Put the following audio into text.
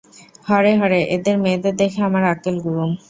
হরে, হরে, এদের মেয়েদের দেখে আমার আক্কেল গুড়ুম।